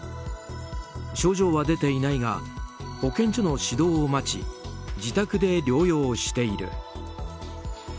症状は出ていないが保健所の指導を待ち自宅で療養している。